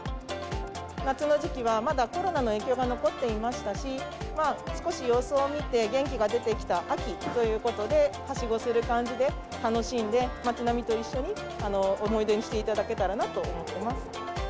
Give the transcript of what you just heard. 夏の時期は、まだコロナの影響が残っていましたし、少し様子を見て、元気が出てきた秋ということで、はしごする感じで楽しんで、街並みと一緒に思い出にしていただけたらなと思っています。